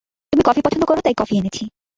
তুমি কফি পছন্দ কর, তাই কফি এনেছি।